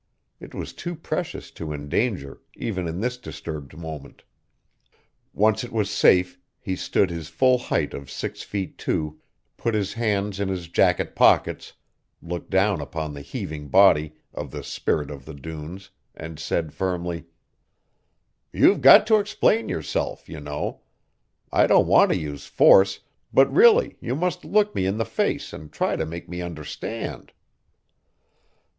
It was too precious to endanger, even in this disturbed moment. Once it was safe, he stood his full height of six feet two, put his hands in his jacket pockets, looked down upon the heaving body of the Spirit of the Dunes, and said firmly: "You've got to explain yourself, you know. I don't want to use force, but really you must look me in the face and try to make me understand."